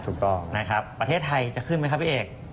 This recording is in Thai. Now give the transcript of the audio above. ถูกต้องนะครับประเทศไทยจะขึ้นไหมครับพี่เอก